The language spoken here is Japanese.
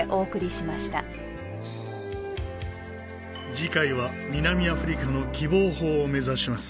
次回は南アフリカの喜望峰を目指します。